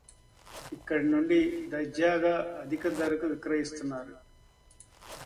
ఇక్కడి నుండి దర్జాగా అధిక ధరకు విక్రయిస్తున్నారు